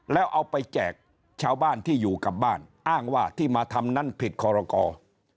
แล้วเอาไปแจกชาวบ้านที่อยู่กับบ้านอ้างว่าที่มาทำนั้นผิดคอรกร